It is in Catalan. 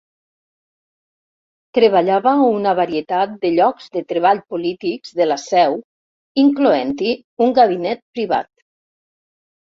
Treballava a una varietat de llocs de treball polítics de la seu, incloent-hi un gabinet privat.